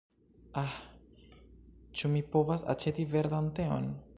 Ah, ĉu mi povas aĉeti verdan teon?